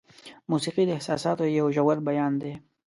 موسیقي د احساساتو یو ژور بیان دی.